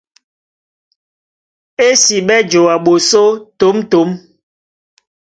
Ésiɓɛ́ joa ɓosó tǒmtǒm.